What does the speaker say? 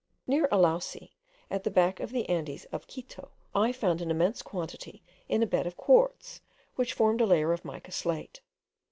Near Alausi, at the back of the Andes of Quito, I found an immense quantity in a bed of quartz, which formed a layer of mica slate.